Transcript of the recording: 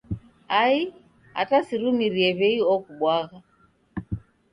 Ai hata sirumirie w'ei okubwagha.